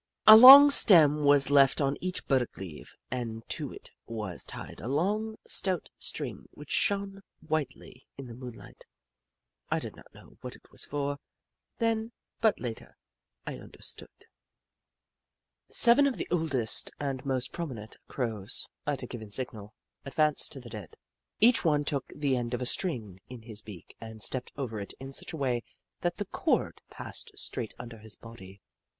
A long stem was left on each burdock leaf, and to it was tied a long, stout string which shone whitely in the moonlight, I did not know what it was for, then, but later I understood. 124 The Book of Clever Beasts Seven of the oldest and most prominent Crows, at a given signal, advanced to the dead. Each one took the end of a string in his beak and stepped over it in such a way that the cord passed straight under his body.